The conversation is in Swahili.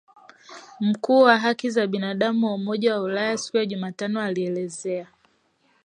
Mkuu wa haki za binadamu wa Umoja wa Ulaya siku ya Jumatano alielezea